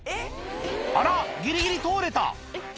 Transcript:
あらギリギリ通れた君